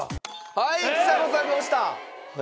はいちさ子さんが押した！